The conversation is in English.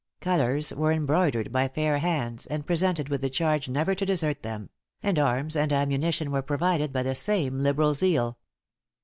Colors were embroidered by fair hands, and presented with the charge never to desert them; and arms and ammunition were provided by the same liberal zeal.